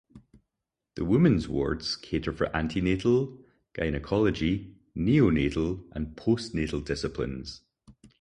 The women's wards cater for antenatal, gynaecology, neonatal, and postnatal disciplines.